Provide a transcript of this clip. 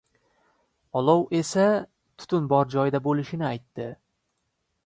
Olov esa tutun bor joyda boʻlishini aytdi.